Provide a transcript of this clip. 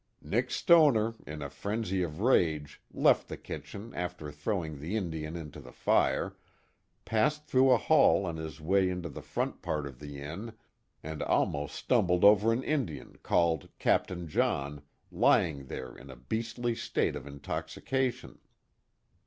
Nick Stoner in a frenzy of rage left the kitchen after throwing the Indian into the fire, passed through a hall on his way into the front part of the inn, and almost stumbled over an Indian called Capt, John, lying there in a beastly slate of intoxication.